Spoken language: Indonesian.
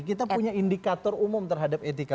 kita punya indikator umum terhadap etika